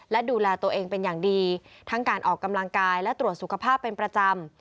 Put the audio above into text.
และดูแลตัวเองเป็นอย่างดีทั้งการออกกำลังกายและตรวจสุขภาพเป็นประจำ